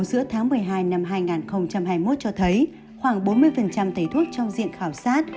giữa tháng một mươi hai năm hai nghìn hai mươi một cho thấy khoảng bốn mươi thầy thuốc trong diện khảo sát